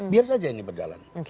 biar saja ini berjalan